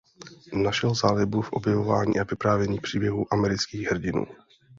Našel zálibu v objevování a vyprávění příběhů amerických hrdinů.